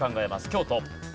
京都。